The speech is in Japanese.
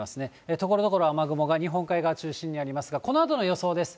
ところどころ雨雲が日本海側中心にありますが、このあとの予想です。